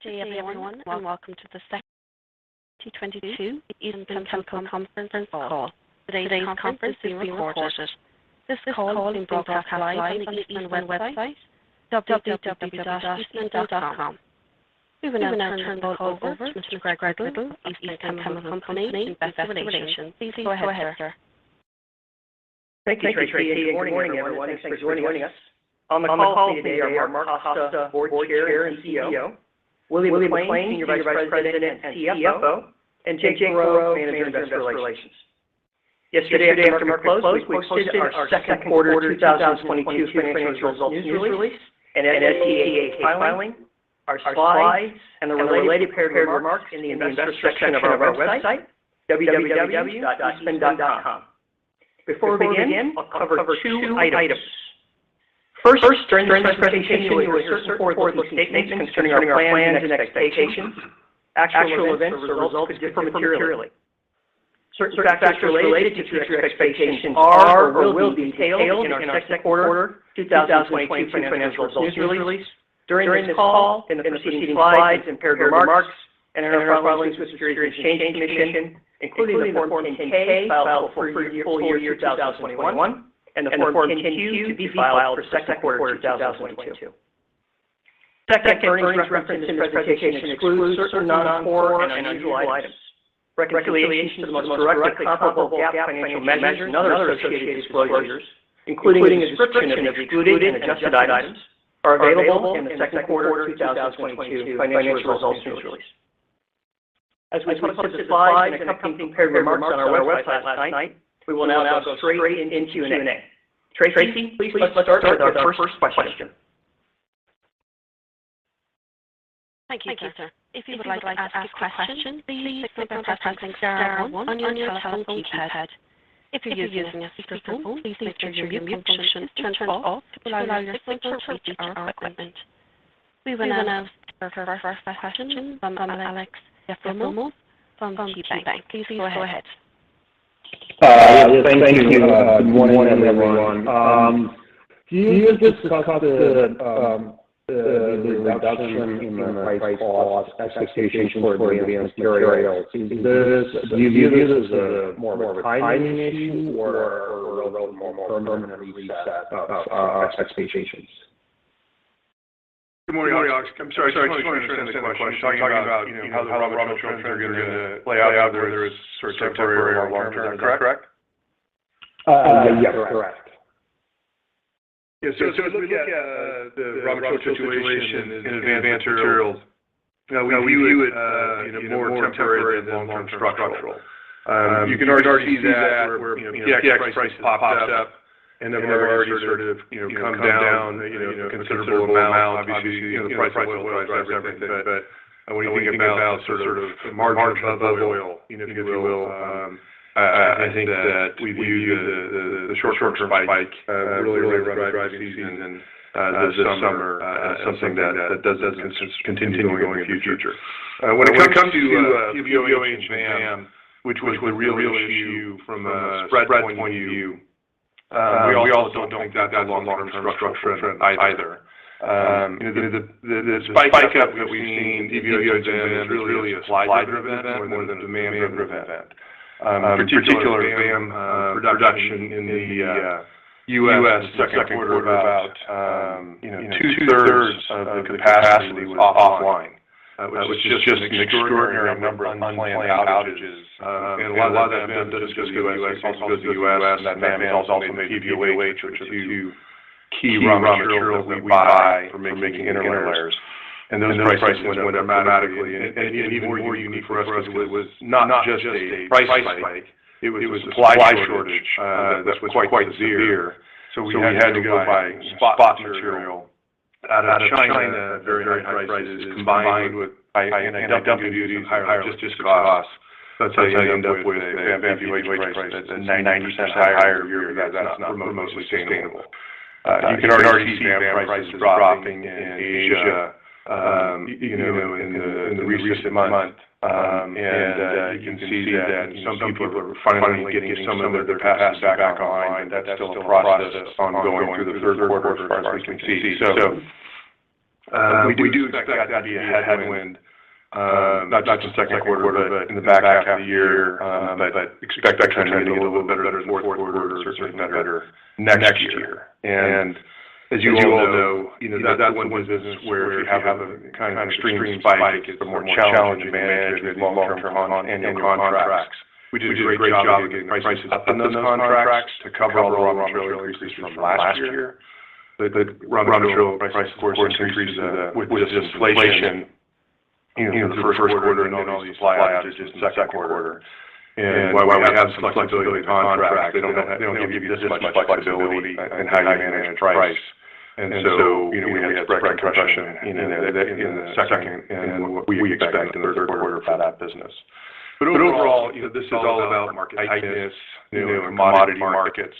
Good day everyone, and welcome to the Q2 2022 Eastman Chemical Conference Call. Today's conference is being recorded. This call will be broadcast live on the Eastman website, www.eastman.com. We will now turn the call over to Mr. Gregory Riddle, of Eastman Chemical Company and Investor Relations. Please go ahead, sir. Thank you, Tracy. Good morning, everyone. Thanks for joining us. On the call with me today are Mark Costa, Board Chair and CEO, William McLain, Senior Vice President and CFO, and Jake LaRoe, Manager of Investor Relations. Yesterday after market close, we posted our Q2 2022 financial results news release and SEC filing, our slides, and related prepared remarks in the Investors section of our website, www.eastman.com. Before we begin, I'll cover two items. First, during this presentation, you will hear certain forward-looking statements concerning our plans and expectations. Actual events or results could differ materially. Certain factors related to future expectations are or will be detailed in our Q2 2022 financial results news release. During this call, in the preceding slides and prepared remarks, and in our filings with the Securities and Exchange Commission, including the Form 10-K filed for full-year 2021 and the Form 10-Q to be filed for Q2 2022. Second, earnings referenced in this presentation exclude certain non-core and unusual items. Reconciliations to the most directly comparable GAAP financial measures and other associated disclosures, including a description of the excluded and adjusted items, are available in the Q2 2022 financial results news release. As we posted slides and accompanying prepared remarks on our website last night, we will now go straight into Q&A. Tracy, please let's start with our first question. Thank you, sir. If you would like to ask a question, please press star one on your telephone keypad. If you're using a speakerphone, please make sure mute function is turned off to allow your signal to reach our equipment. We will now go to our first question from Aleksey Yefremov from KeyBank. Please go ahead. Thank you. Good morning, everyone. Can you discuss the reduction in the price-cost expectations for Advanced Materials? Is this more of a timing issue or a relatively more permanent reset of expectations? Good morning, Alex. I'm sorry. Just wanna understand the question. You're talking about, you know, how the raw material trends are gonna play out, whether it's sort of temporary or long term. Is that correct? Yes, correct. As we look at the raw material situation in Advanced Materials, you know, we view it more temporary than long-term structural. You can already see that where PX prices pops up, and then they've already sort of come down a considerable amount. Obviously, the price of oil drives everything. When you think about sort of the margin above oil, you know, if you will, I think that we view the short-term spike really around driving season and then this summer as something that doesn't continue going in the future. When it comes to PVOH and BAM, which was the real issue from a spread point of view, we also don't think that's a long-term structural trend either. You know, the spike up that we've seen in PVOH and BAM is really a supply-driven event more than a demand-driven event. In particular, BAM production in the U.S. in the Q2, about, you know, two-thirds of the capacity was offline, which is just an extraordinary number of unplanned outages. A lot of that BAM doesn't just go to the U.S. It also goes to the U.S., and that BAM is also made with PVOH, which are two key raw materials that we buy for making interlayers. Those prices went up dramatically. Even more unique for us, because it was not just a price spike, it was a supply shortage that was quite severe. We had to go buy spot material out of China at very high prices combined with high anti-dumping duties and higher logistic costs, so that you end up with a VAM PVOH price that's 90% higher year-over-year. That's not mostly sustainable. You can already see VAM prices dropping in Asia, you know, in the recent month. You can see that some people are finally getting some of their capacity back online, but that's still a process ongoing through the Q3 as far as we can see. We do expect that to be a headwind, not just in Q2, but in the back half of the year. Expect it to kind of get a little better in the Q4, certainly better next year. As you all know, you know, that's the one business where if you have a kind of extreme spike, it gets more challenging to manage your maybe long-term annual contracts. We did a great job of getting the prices up in those contracts to cover all the raw material increases from last year. The raw material prices, of course, increased with just inflation, you know, through the Q1 and then all these outages in the Q2. While we have some flexibility in the contracts, they don't give you much flexibility in how you manage price. You know, we had to spread compression in the second and what we expect in the Q3 for that business. Overall, you know, this is all about market tightness, you know, in commodity markets,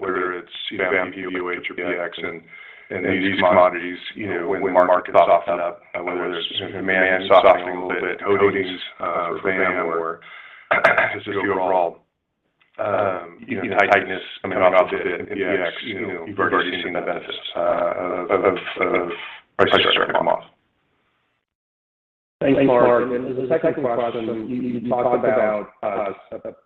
whether it's BAM, PVOH or PX. In these commodities, you know, when markets soften up, whether it's demand softening a little bit in coatings for BAM or just overall, you know, the tightness coming off of it in PX, you know, we've already seen the benefits of prices starting to come off. Thanks, Mark. As a second question, you talked about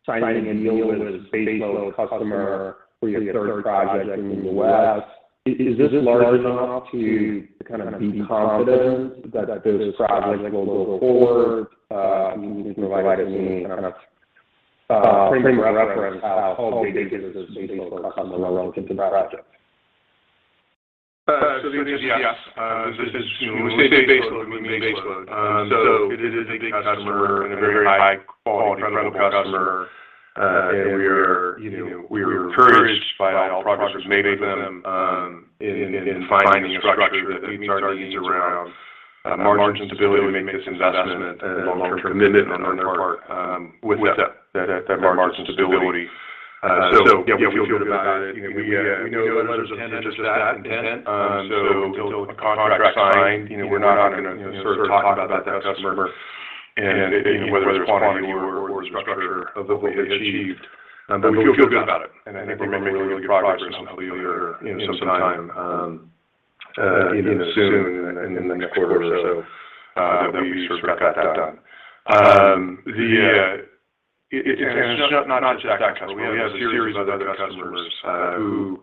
signing a deal with a base load customer for your third project in the U.S. Is this large enough to kind of be confident that those projects will go forward? Can you provide any kind of frame for reference how big is this base load customer relative to that project? The answer's yes. This is, you know, when we say base load, we mean base load. It is a big customer and a very high quality, credible customer. We are, you know, we're encouraged by all the progress we're making with them, in finding a structure that meets our needs around, margin stability to make this investment and a long-term commitment on their part, with that margin stability. Yeah, we feel good about it. You know, we know the letter's intent is just that, intent. Until a contract's signed, you know, we're not gonna, you know, start talking about that customer and, you know, whether it's quantity or the structure of what we've achieved. We feel good about it, and I think we're making really good progress and hopefully we'll hear, you know, some time, you know, soon in the next quarter or so, that we've sort of got that done. It's not just that customer. We have a series of other customers who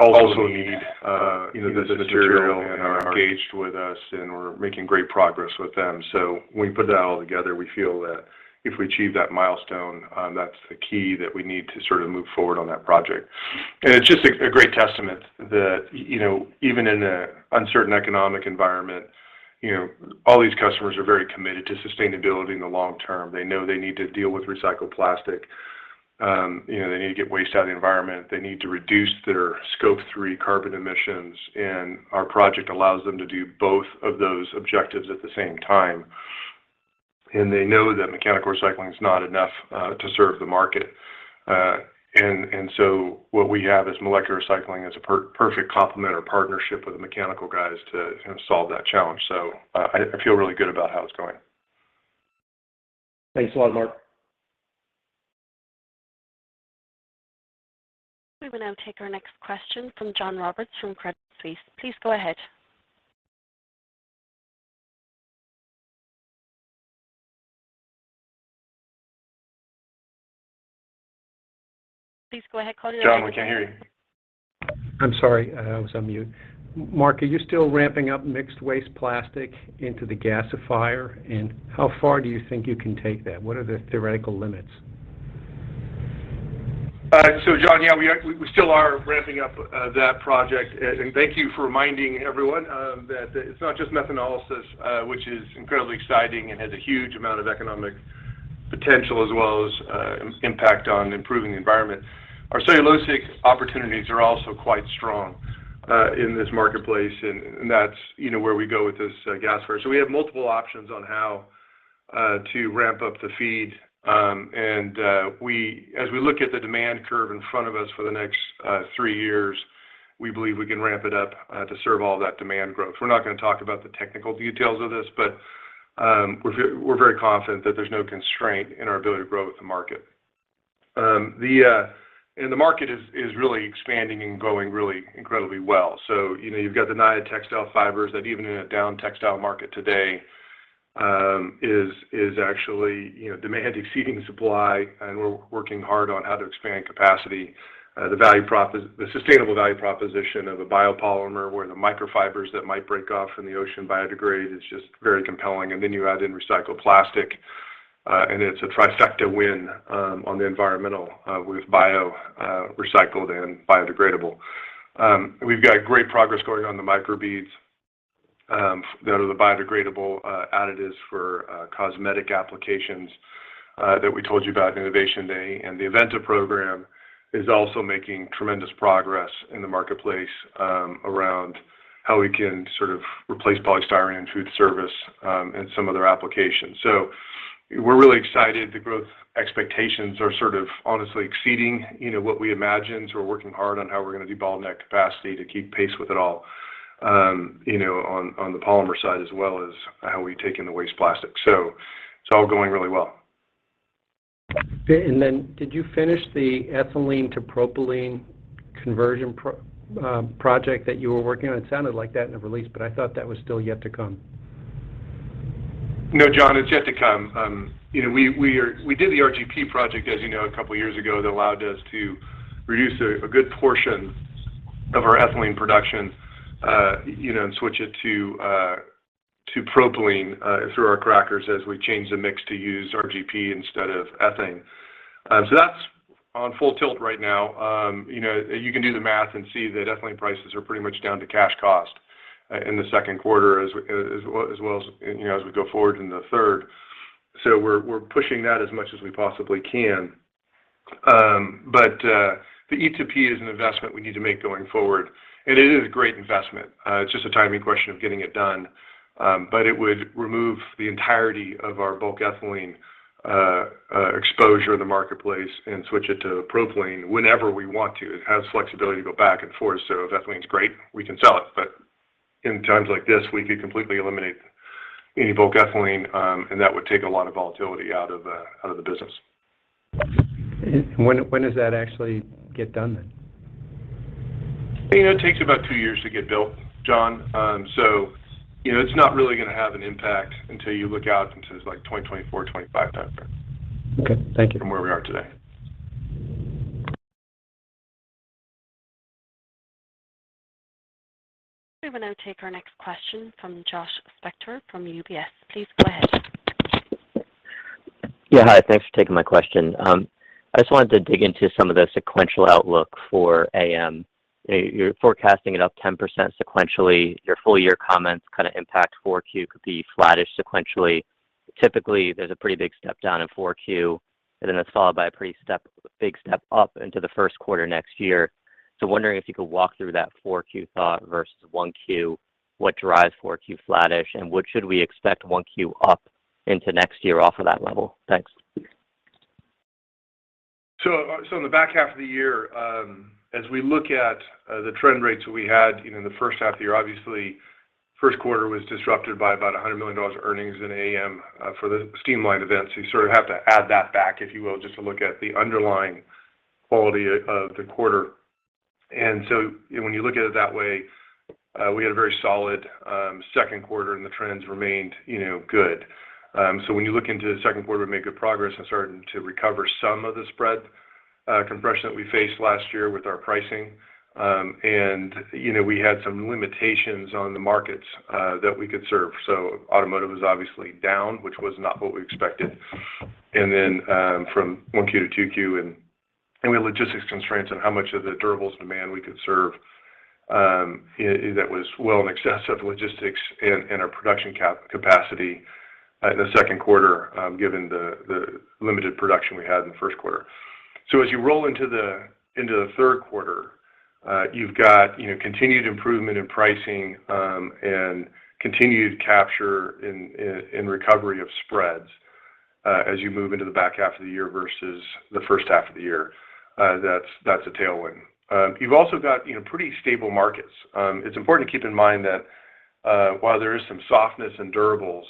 also need, you know, this material and are engaged with us, and we're making great progress with them. When we put that all together, we feel that if we achieve that milestone, that's the key that we need to sort of move forward on that project. It's just a great testament that, you know, even in an uncertain economic environment, you know, all these customers are very committed to sustainability in the long term. They know they need to deal with recycled plastic. You know, they need to get waste out of the environment. They need to reduce their Scope 3 carbon emissions, and our project allows them to do both of those objectives at the same time. They know that mechanical recycling is not enough to serve the market. What we have is molecular recycling as a perfect complement or partnership with the mechanical guys to, you know, solve that challenge. I feel really good about how it's going. Thanks a lot, Mark. We will now take our next question from John Roberts from Credit Suisse. Please go ahead. John, we can't hear you. I'm sorry, I was on mute. Mark, are you still ramping up mixed waste plastic into the gasifier? How far do you think you can take that? What are the theoretical limits? John, yeah, we still are ramping up that project. Thank you for reminding everyone that it's not just methanolysis, which is incredibly exciting and has a huge amount of economic potential as well as impact on improving the environment. Our cellulosic opportunities are also quite strong in this marketplace and that's, you know, where we go with this gasifier. We have multiple options on how to ramp up the feed. As we look at the demand curve in front of us for the next three years, we believe we can ramp it up to serve all that demand growth. We're not gonna talk about the technical details of this, but we're very confident that there's no constraint in our ability to grow with the market. The market is really expanding and going really incredibly well. You know, you've got Naia textile fibers that even in a down textile market today, actually, you know, demand exceeding supply, and we're working hard on how to expand capacity. The sustainable value proposition of a biopolymer where the microfibers that might break off in the ocean biodegrade is just very compelling. Then you add in recycled plastic, and it's a trifecta win on the environmental with bio, recycled and biodegradable. We've got great progress going on in the micro:bits that are the biodegradable additives for cosmetic applications that we told you about in Innovation Day. The Aventa program is also making tremendous progress in the marketplace around how we can sort of replace polystyrene in food service and some other applications. We're really excited. The growth expectations are sort of honestly exceeding, you know, what we imagined. We're working hard on how we're gonna do bottleneck capacity to keep pace with it all, you know, on the polymer side as well as how we take in the waste plastic. It's all going really well. Okay. Did you finish the ethylene to propylene conversion project that you were working on? It sounded like that in the release, but I thought that was still yet to come. No, John, it's yet to come. You know, we did the RGP project, as you know, a couple of years ago, that allowed us to reduce a good portion of our ethylene production, and switch it to propylene through our crackers as we changed the mix to use RGP instead of ethane. So that's on full tilt right now. You know, you can do the math and see that ethylene prices are pretty much down to cash cost in the Q2 as well as we go forward in the third. So we're pushing that as much as we possibly can. But the E-to-P is an investment we need to make going forward. It is a great investment. It's just a timing question of getting it done. It would remove the entirety of our bulk ethylene exposure in the marketplace and switch it to propylene whenever we want to. It has flexibility to go back and forth. If ethylene's great, we can sell it, but in times like this, we could completely eliminate any bulk ethylene, and that would take a lot of volatility out of the business. When does that actually get done then? You know, it takes about two years to get built, John. You know, it's not really gonna have an impact until you look out into like 2024, 2025 timeframe. Okay. Thank you. From where we are today. We will now take our next question from Joshua Spector from UBS. Please go ahead. Yeah. Hi. Thanks for taking my question. I just wanted to dig into some of the sequential outlook for AM. You know, you're forecasting it up 10% sequentially. Your full year comments kind of imply 4Q could be flattish sequentially. Typically, there's a pretty big step down in 4Q, and then that's followed by a pretty big step up into the Q1 next year. Wondering if you could walk through that 4Q thought versus 1Q, what drives 4Q flattish, and what should we expect 1Q up into next year off of that level? Thanks. In the back half of the year, as we look at the trend rates that we had, you know, in the first half of the year, obviously Q1 was disrupted by about $100 million in earnings in AM for the steam line events. You sort of have to add that back, if you will, just to look at the underlying quality of the quarter. When you look at it that way, we had a very solid Q2 and the trends remained, you know, good. When you look into the Q2, we made good progress and starting to recover some of the spread compression that we faced last year with our pricing. We had some limitations on the markets that we could serve. Automotive was obviously down, which was not what we expected. From 1Q to 2Q and we had logistics constraints on how much of the durables demand we could serve, you know, that was well in excess of logistics and our production capacity in the Q2, given the limited production we had in the Q1. As you roll into the Q3, you've got, you know, continued improvement in pricing, and continued capture in recovery of spreads, as you move into the back half of the year versus the first half of the year. That's a tailwind. You've also got, you know, pretty stable markets. It's important to keep in mind that, while there is some softness in durables,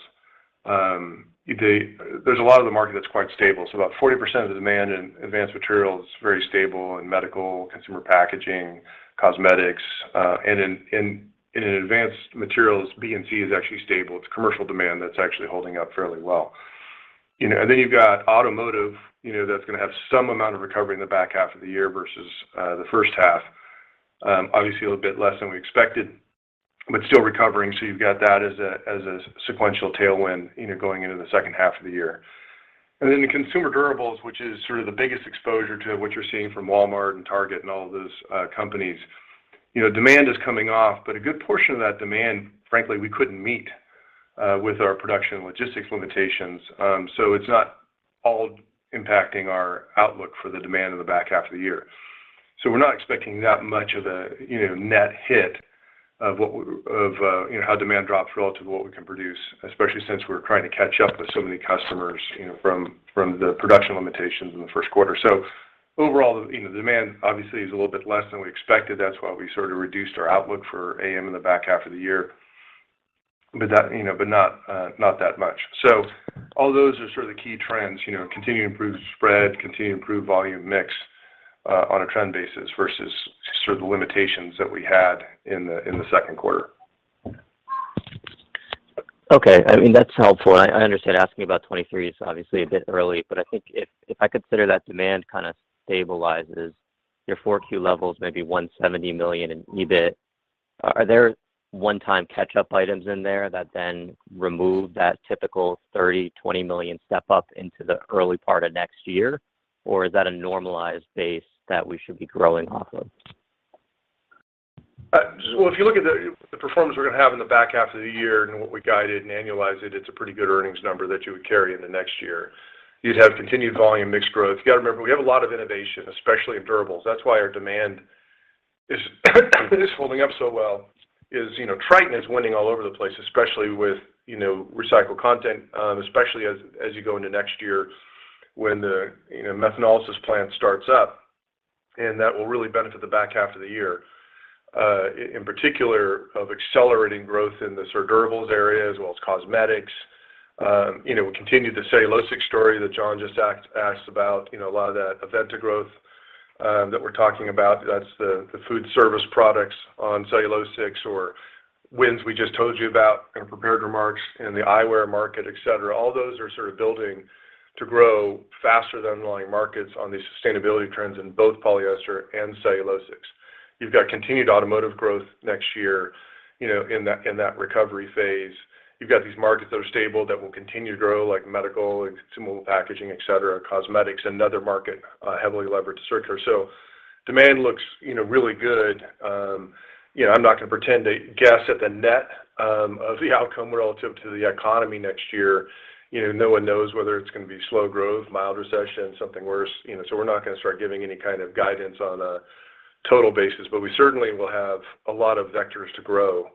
you know, there's a lot of the market that's quite stable. About 40% of the demand in Advanced Materials is very stable in medical, consumer packaging, cosmetics, and in Advanced Materials, B&C is actually stable. It's commercial demand that's actually holding up fairly well. You know, and then you've got automotive, you know, that's gonna have some amount of recovery in the back half of the year versus the first half. Obviously a little bit less than we expected, but still recovering. You've got that as a sequential tailwind, you know, going into the second half of the year. The consumer durables, which is sort of the biggest exposure to what you're seeing from Walmart and Target and all of those, companies. You know, demand is coming off, but a good portion of that demand, frankly, we couldn't meet, with our production logistics limitations. It's not all impacting our outlook for the demand in the back half of the year. We're not expecting that much of a, you know, net hit of how demand drops relative to what we can produce, especially since we're trying to catch up with so many customers, you know, from the production limitations in the Q1. Overall, you know, demand obviously is a little bit less than we expected. That's why we sort of reduced our outlook for AM in the back half of the year. That, you know, not that much. All those are sort of the key trends, you know, continue to improve spread, continue to improve volume mix, on a trend basis versus just sort of the limitations that we had in the Q2. Okay. I mean, that's helpful. I understand asking you about 2023 is obviously a bit early, but I think if I consider that demand kind of stabilizes your 4Q levels, maybe $170 million in EBIT, are there one-time catch-up items in there that then remove that typical $30-$20 million step up into the early part of next year? Or is that a normalized base that we should be growing off of? Well, if you look at the performance we're gonna have in the back half of the year and what we guided and annualize it's a pretty good earnings number that you would carry in the next year. You'd have continued volume mix growth. You got to remember, we have a lot of innovation, especially in durables. That's why our demand is holding up so well, you know, Tritan is winning all over the place, especially with, you know, recycled content, especially as you go into next year when the, you know, methanolysis plant starts up. That will really benefit the back half of the year, in particular of accelerating growth in the sort of durables area as well as cosmetics. You know, we continue the cellulosic story that John just asked about, you know, a lot of that Aventa growth that we're talking about. That's the food service products on cellulosics or Naia we just told you about in our prepared remarks in the eyewear market, et cetera. All those are sort of building to grow faster than underlying markets on these sustainability trends in both polyester and cellulosic. You've got continued automotive growth next year, you know, in that recovery phase. You've got these markets that are stable that will continue to grow, like medical, consumer packaging, et cetera, cosmetics, another market heavily leveraged to circular. So demand looks, you know, really good. You know, I'm not gonna pretend to guess at the net of the outcome relative to the economy next year. You know, no one knows whether it's gonna be slow growth, mild recession, something worse, you know. We're not gonna start giving any kind of guidance on a total basis. We certainly will have a lot of vectors to grow.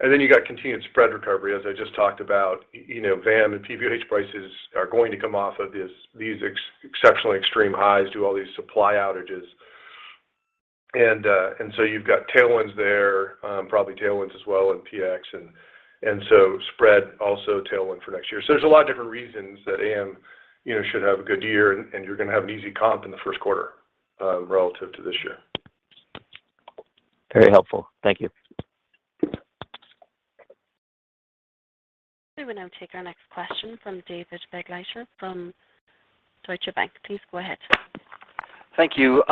Then you got continued spread recovery, as I just talked about. You know, VAM and PVOH prices are going to come off of this, these exceptionally extreme highs due to all these supply outages. And so you've got tailwinds there, probably tailwinds as well in PX. So spread also tailwind for next year. There's a lot of different reasons that AM, you know, should have a good year and you're gonna have an easy comp in the Q1, relative to this year. Very helpful. Thank you. We will now take our next question from David Begleiter from Deutsche Bank. Please go ahead. Thank you.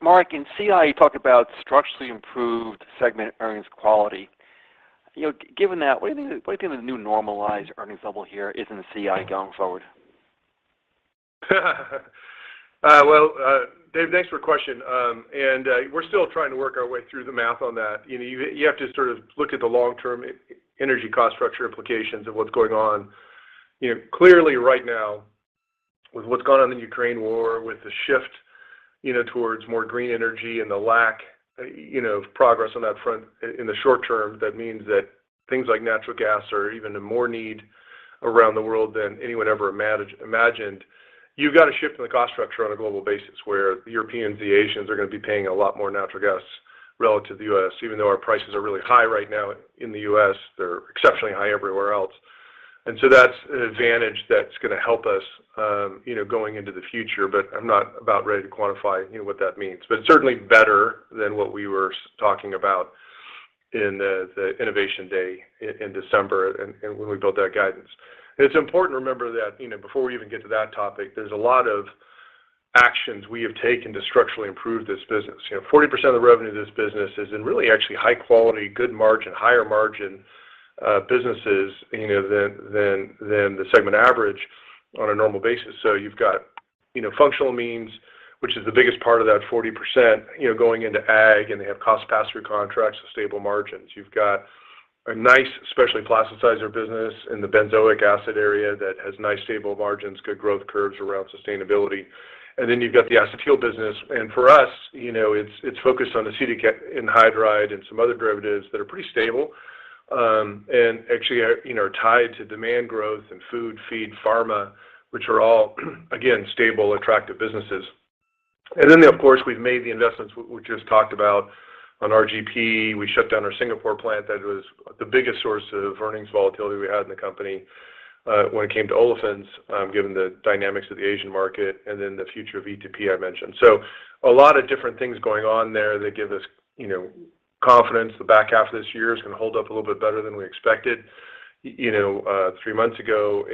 Mark, in CI you talked about structurally improved segment earnings quality. You know, given that, what do you think the new normalized earnings level here is in CI going forward? Well, Dave, thanks for the question. We're still trying to work our way through the math on that. You know, you have to sort of look at the long-term energy cost structure implications of what's going on. You know, clearly right now with what's gone on in the Ukraine war, with the shift, you know, towards more green energy and the lack, you know, of progress on that front in the short term, that means that things like natural gas are even in more need around the world than anyone ever imagined. You've got a shift in the cost structure on a global basis, where the Europeans, the Asians are gonna be paying a lot more natural gas relative to the U.S. Even though our prices are really high right now in the U.S., they're exceptionally high everywhere else. That's an advantage that's gonna help us, you know, going into the future. I'm not about ready to quantify, you know, what that means. Certainly better than what we were talking about in the Innovation Day in December and when we built that guidance. It's important to remember that, you know, before we even get to that topic, there's a lot of actions we have taken to structurally improve this business. You know, 40% of the revenue of this business is in really actually high quality, good margin, higher margin businesses, you know, than the segment average on a normal basis. You've got, you know, functional amines, which is the biggest part of that 40%, you know, going into ag, and they have cost pass-through contracts with stable margins. You've got a nice specialty plasticizer business in the benzoic acid area that has nice stable margins, good growth curves around sustainability. You've got the acetyl business. For us, you know, it's focused on acetic anhydride and some other derivatives that are pretty stable, and actually are, you know, tied to demand growth and food, feed, pharma, which are all, again, stable, attractive businesses. Of course, we've made the investments we just talked about on RGP. We shut down our Singapore plant that was the biggest source of earnings volatility we had in the company, when it came to olefins, given the dynamics of the Asian market and then the future of E-to-P I mentioned. A lot of different things going on there that give us, you know, confidence the back half of this year is gonna hold up a little bit better than we expected, you know, three months ago.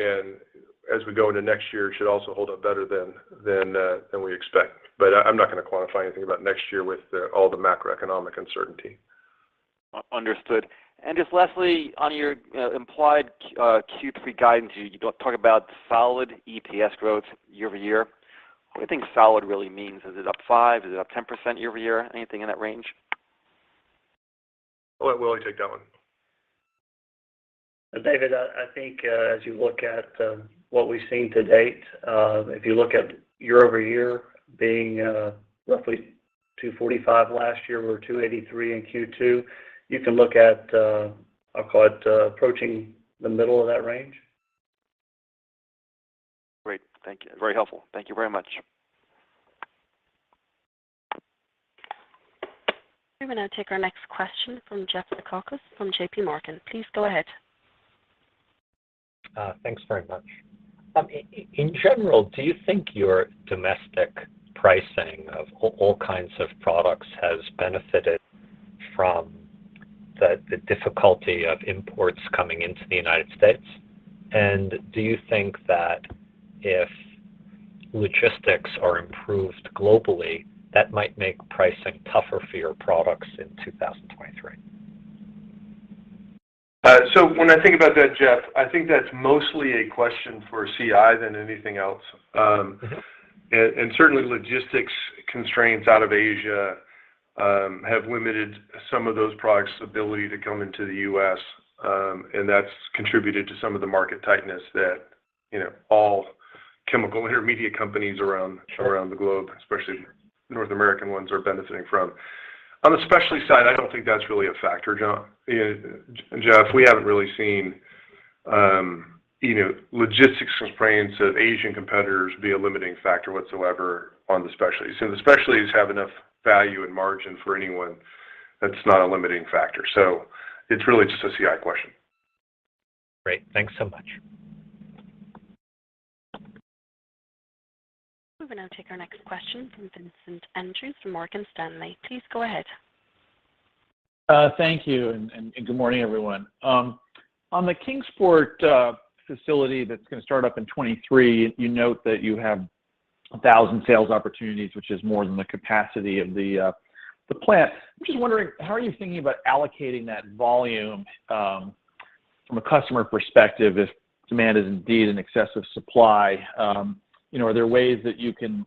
As we go into next year, should also hold up better than we expect. I'm not gonna quantify anything about next year with all the macroeconomic uncertainty. Understood. Just lastly, on your implied Q3 guidance, you talk about solid EPS growth year-over-year. What do you think solid really means? Is it up 5%? Is it up 10% year-over-year? Anything in that range? I'll let Willy take that one. David, I think, as you look at what we've seen to date, if you look at year-over-year being roughly 245 last year or 283 in Q2, you can look at, I'll call it, approaching the middle of that range. Great. Thank you. Very helpful. Thank you very much. We will now take our next question from Jeffrey Zekauskas from JP Morgan. Please go ahead. Thanks very much. In general, do you think your domestic pricing of all kinds of products has benefited from the difficulty of imports coming into the United States? Do you think that if logistics are improved globally, that might make pricing tougher for your products in 2023? When I think about that, Jeff, I think that's mostly a question for CI than anything else. Mm-hmm... certainly logistics constraints out of Asia have limited some of those products' ability to come into the U.S., and that's contributed to some of the market tightness that, you know, all chemical intermediate companies around. Sure around the globe, especially North American ones, are benefiting from. On the specialty side, I don't think that's really a factor, John. Jeff, we haven't really seen, you know, logistics constraints of Asian competitors be a limiting factor whatsoever on the specialties. You know, the specialties have enough value and margin for anyone, that's not a limiting factor. It's really just a CI question. Great. Thanks so much. We will now take our next question from Vincent Andrews from Morgan Stanley. Please go ahead. Thank you and good morning, everyone. On the Kingsport facility that's gonna start up in 2023, you note that you have 1,000 sales opportunities, which is more than the capacity of the plant. I'm just wondering how are you thinking about allocating that volume from a customer perspective if demand is indeed in excess of supply? You know, are there ways that you can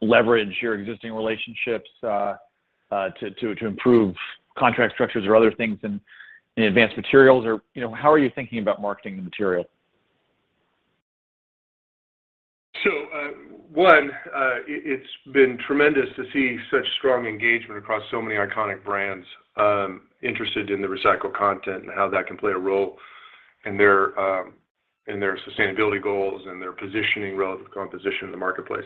leverage your existing relationships to improve contract structures or other things in Advanced Materials? Or, you know, how are you thinking about marketing the material? It's been tremendous to see such strong engagement across so many iconic brands interested in the recycled content and how that can play a role in their sustainability goals and their positioning relative to competition in the marketplace.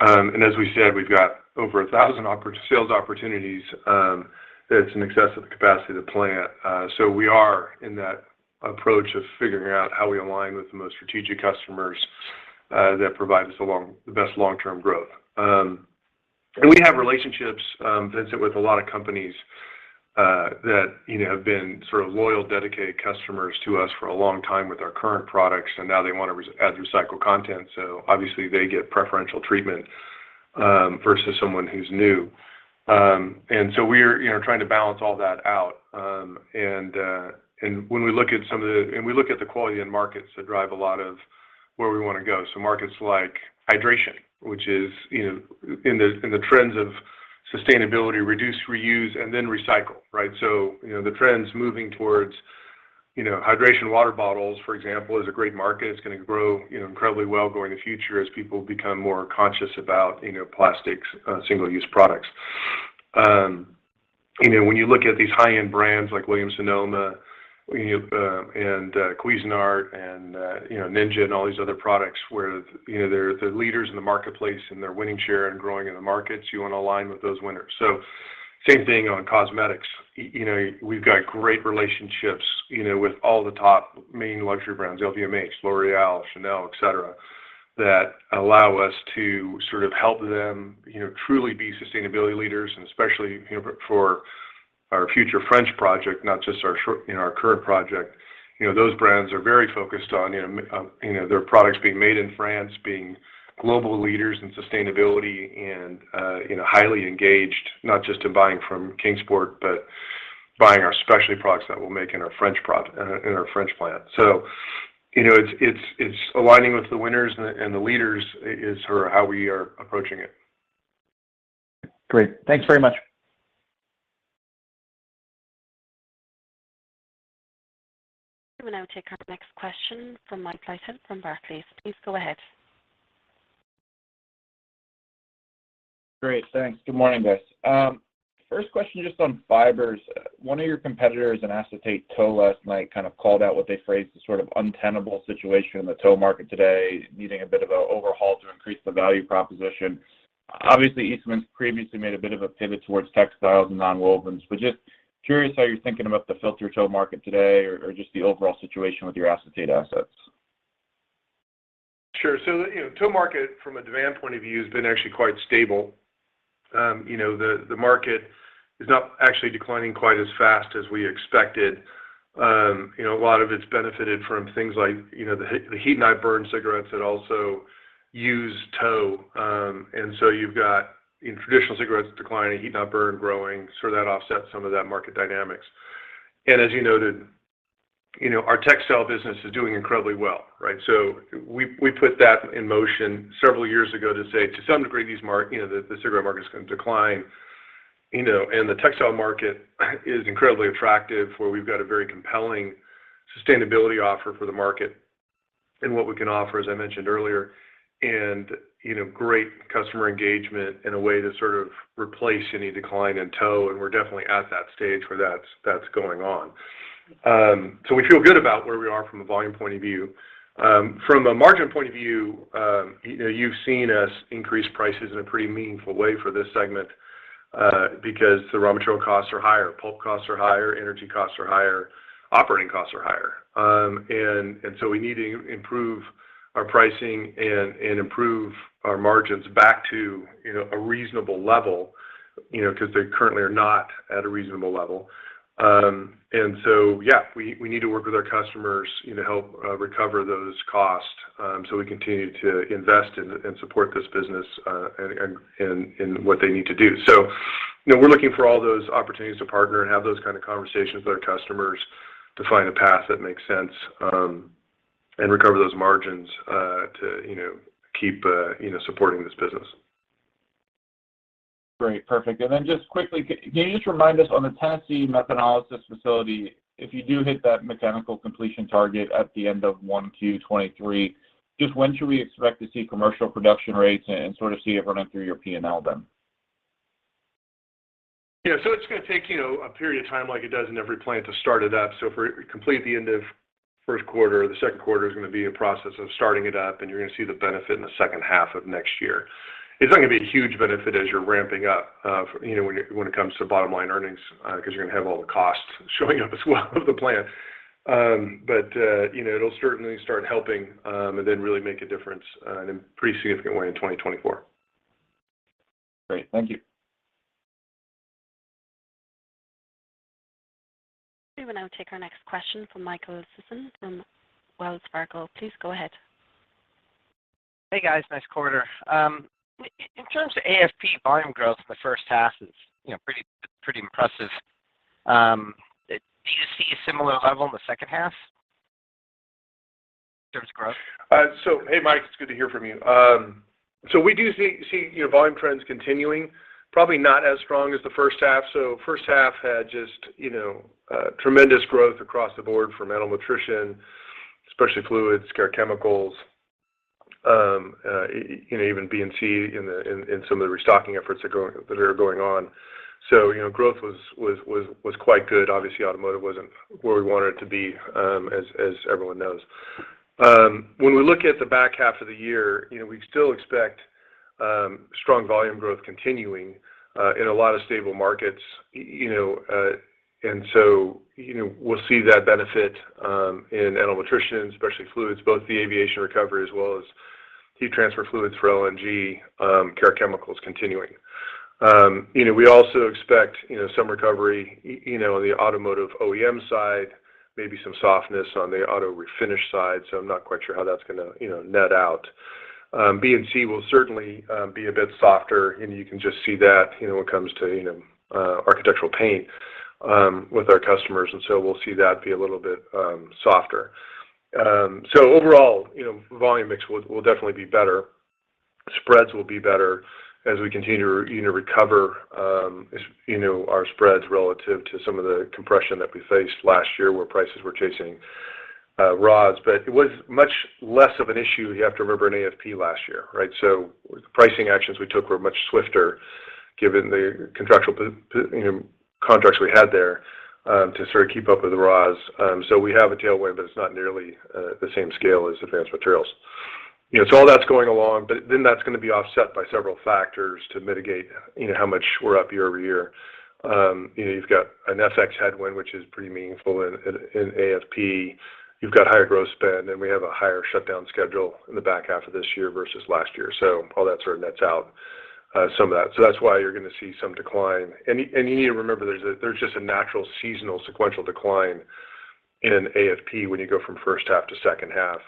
As we said, we've got over 1,000 sales opportunities, that's in excess of the capacity of the plant. We are in that approach of figuring out how we align with the most strategic customers that provide us the best long-term growth. We have relationships, Vincent, with a lot of companies that, you know, have been sort of loyal, dedicated customers to us for a long time with our current products, and now they want to add recycled content, so obviously they get preferential treatment versus someone who's new. We're, you know, trying to balance all that out. When we look at the quality end markets that drive a lot of where we want to go. Markets like hydration, which is, you know, in the trends of sustainability, reduce, reuse, and then recycle, right? You know, the trends moving towards, you know, hydration, water bottles, for example, is a great market. It's going to grow, you know, incredibly well going in the future as people become more conscious about, you know, plastics, single-use products. You know, when you look at these high-end brands like Williams-Sonoma, Cuisinart and Ninja and all these other products where they're the leaders in the marketplace and they're winning share and growing in the markets, you want to align with those winners. Same thing on cosmetics. You know, we've got great relationships, you know, with all the top main luxury brands, LVMH, L'Oréal, Chanel, et cetera, that allow us to sort of help them, you know, truly be sustainability leaders, and especially, you know, for our future French project, not just our short, you know, our current project. You know, those brands are very focused on, you know, their products being made in France, being global leaders in sustainability and, you know, highly engaged, not just in buying from Kingsport, but buying our specialty products that we'll make in our French plant. You know, it's aligning with the winners and the leaders is sort of how we are approaching it. Great. Thanks very much. We will now take our next question from Mike Leithead from Barclays. Please go ahead. Great. Thanks. Good morning, guys. First question just on fibers. One of your competitors in acetate tow last night kind of called out what they phrased the sort of untenable situation in the tow market today, needing a bit of an overhaul to increase the value proposition. Obviously, Eastman's previously made a bit of a pivot towards textiles and nonwovens, but just curious how you're thinking about the filter tow market today or just the overall situation with your acetate assets. Sure. You know, tow market from a demand point of view has been actually quite stable. You know, the market is not actually declining quite as fast as we expected. You know, a lot of it's benefited from things like, you know, the heat-not-burn cigarettes that also use tow. You've got, you know, traditional cigarettes declining and heat-not-burn growing, so that offsets some of that market dynamics. As you noted, you know, our textile business is doing incredibly well, right? We put that in motion several years ago to say to some degree, you know, the cigarette market is going to decline, you know, and the textile market is incredibly attractive, where we've got a very compelling sustainability offer for the market and what we can offer, as I mentioned earlier, and, you know, great customer engagement in a way to sort of replace any decline in tow. We're definitely at that stage where that's going on. We feel good about where we are from a volume point of view. From a margin point of view, you know, you've seen us increase prices in a pretty meaningful way for this segment, because the raw material costs are higher, pulp costs are higher, energy costs are higher, operating costs are higher. We need to improve our pricing and improve our margins back to a reasonable level, you know, because they currently are not at a reasonable level. Yeah, we need to work with our customers, you know, help recover those costs so we continue to invest in and support this business and what they need to do. We're looking for all those opportunities to partner and have those kind of conversations with our customers to find a path that makes sense and recover those margins to keep supporting this business. Great. Perfect. Just quickly, can you just remind us on the Tennessee methanolysis facility, if you do hit that mechanical completion target at the end of 1Q 2023, just when should we expect to see commercial production rates and sort of see it running through your P&L then? Yeah. It's going to take, you know, a period of time like it does in every plant to start it up. We'll complete by the end of Q1. The Q2 is going to be a process of starting it up, and you're going to see the benefit in the second half of next year. It's not going to be a huge benefit as you're ramping up, when it comes to bottom line earnings, because you're going to have all the costs showing up as well of the plant. It'll certainly start helping, and then really make a difference in a pretty significant way in 2024. Great. Thank you. We will now take our next question from Michael Sison from Wells Fargo. Please go ahead. Hey, guys. Nice quarter. In terms of AFP volume growth in the first half is, you know, pretty impressive. Do you see a similar level in the second half in terms of growth? Hey, Mike, it's good to hear from you. We do see, you know, volume trends continuing, probably not as strong as the first half. First half had just, you know, tremendous growth across the board for animal nutrition, especially fluids, Care Additives. You know, even B&C in some of the restocking efforts that are going on. You know, growth was quite good. Obviously, automotive wasn't where we wanted it to be, as everyone knows. When we look at the back half of the year, you know, we still expect strong volume growth continuing in a lot of stable markets. You know, we'll see that benefit in animal nutrition, especially fluids, both the aviation recovery as well as heat transfer fluids for LNG, Care Additives continuing. You know, we also expect some recovery in you know, the automotive OEM side, maybe some softness on the auto refinish side, so I'm not quite sure how that's gonna net out. B&C will certainly be a bit softer, and you can just see that you know, when it comes to you know, architectural paint with our customers, we'll see that be a little bit softer. Overall, you know, volume mix will definitely be better. Spreads will be better as we continue to, you know, recover, you know, our spreads relative to some of the compression that we faced last year where prices were chasing raws. It was much less of an issue, you have to remember, in AFP last year, right? The pricing actions we took were much swifter given the contractual, you know, contracts we had there to sort of keep up with the raws. We have a tailwind, but it's not nearly the same scale as Advanced Materials. You know, all that's going along, but then that's gonna be offset by several factors to mitigate, you know, how much we're up year-over-year. You know, you've got an FX headwind, which is pretty meaningful in AFP. You've got higher gross spend, and we have a higher shutdown schedule in the back half of this year versus last year. All that sort of nets out, some of that. That's why you're gonna see some decline. You need to remember there's just a natural seasonal sequential decline in an AFP when you go from first half to second half,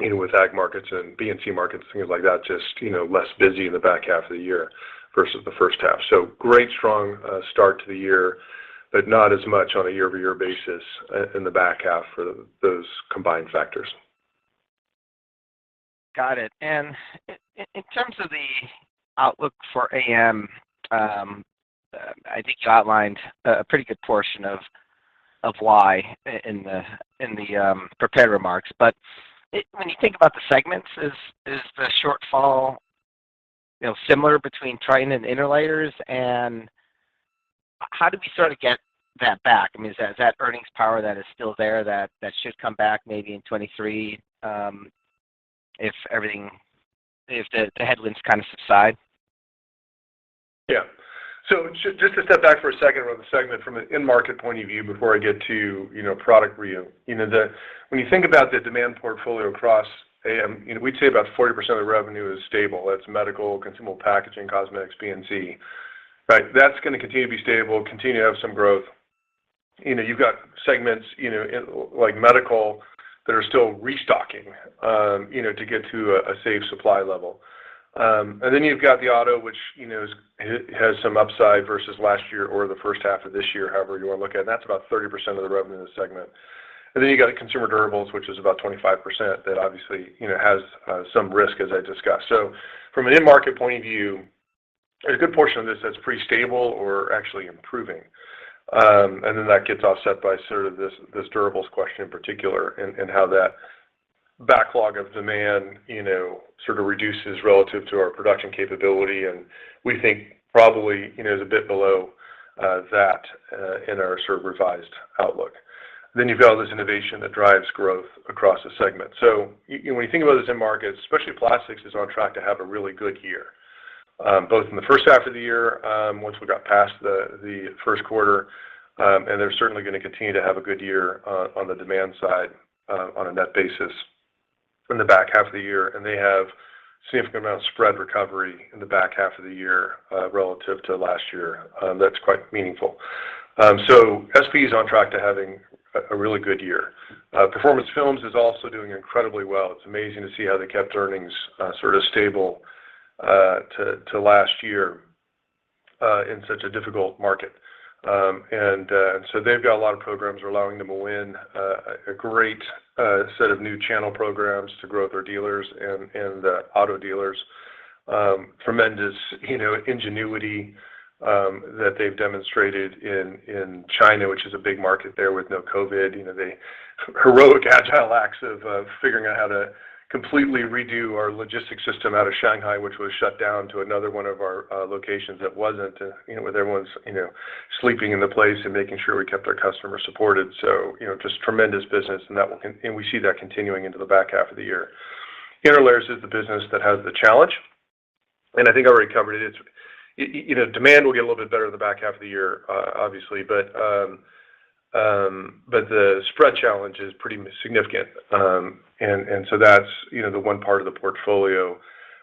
you know, with ag markets and B&C markets, things like that, just, you know, less busy in the back half of the year versus the first half. Great, strong, start to the year, but not as much on a year-over-year basis in the back half for those combined factors. Got it. In terms of the outlook for AM, I think you outlined a pretty good portion of why in the prepared remarks. When you think about the segments, is the shortfall, you know, similar between Tritan and Interlayers? How do we sort of get that back? I mean, is that earnings power that is still there that should come back maybe in 2023, if the headwinds kind of subside? Yeah. Just to step back for a second around the segment from an end market point of view before I get to, you know, product review. You know, when you think about the demand portfolio across AM, you know, we'd say about 40% of the revenue is stable. That's medical, consumable packaging, cosmetics, B&C, right? That's gonna continue to be stable, continue to have some growth. You know, you've got segments, you know, in like medical that are still restocking, you know, to get to a safe supply level. And then you've got the auto, which, you know, has some upside versus last year or the first half of this year, however you wanna look at it, and that's about 30% of the revenue in the segment. You got consumer durables, which is about 25% that obviously, you know, has some risk as I discussed. From an end market point of view, there's a good portion of this that's pretty stable or actually improving. That gets offset by sort of this durables question in particular and how that backlog of demand, you know, sort of reduces relative to our production capability. We think probably, you know, is a bit below that in our sort of revised outlook. You've got all this innovation that drives growth across the segment. You know, when you think about this end market, especially plastics is on track to have a really good year, both in the first half of the year, once we got past the Q1, and they're certainly gonna continue to have a good year on the demand side, on a net basis in the back half of the year. They have significant amount of spread recovery in the back half of the year, relative to last year, that's quite meaningful. SP is on track to having a really good year. Performance Films is also doing incredibly well. It's amazing to see how they kept earnings sort of stable to last year in such a difficult market. They've got a lot of programs. We're allowing them to win a great set of new channel programs to grow their dealers and auto dealers. Tremendous ingenuity that they've demonstrated in China, which is a big market there with no COVID. You know, the heroic agile acts of figuring out how to completely redo our logistics system out of Shanghai, which was shut down to another one of our locations that wasn't, you know, where everyone's, you know, sleeping in the place and making sure we kept our customers supported. You know, just tremendous business and we see that continuing into the back half of the year. Interlayers is the business that has the challenge, and I think I already covered it. You know, demand will get a little bit better in the back half of the year, obviously, but the spread challenge is pretty significant. That's the one part of the portfolio.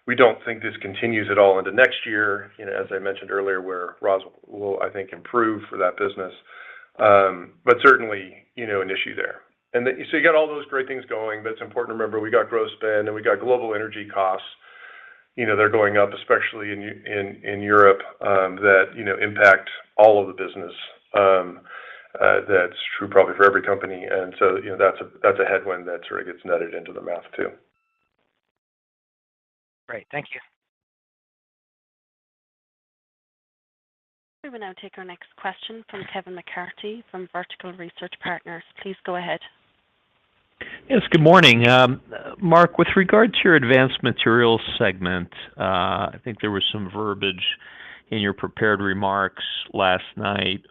We don't think this continues at all into next year, you know, as I mentioned earlier, where raws will, I think, improve for that business. Certainly, you know, an issue there. You got all those great things going, but it's important to remember we got gross spend and we got global energy costs, you know, they're going up, especially in Europe, that, you know, impact all of the business. That's true probably for every company. You know, that's a headwind that sort of gets netted into the math too. Great. Thank you. We will now take our next question from Kevin McCarthy from Vertical Research Partners. Please go ahead. Yes, good morning. Mark, with regard to your Advanced Materials segment, I think there was some verbiage in your prepared remarks last night,